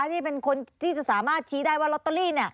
ที่เป็นคนที่จะสามารถชี้ได้ว่าลอตเตอรี่